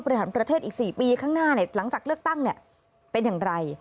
บริหารประเทศอีก๔ปีข้างหน้าหลังจากเลือกตั้งเป็นอย่างไร